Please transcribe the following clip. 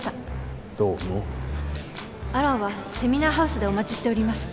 安蘭はセミナーハウスでお待ちしております。